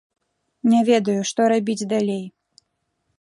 Не ведаю, што рабіць далей.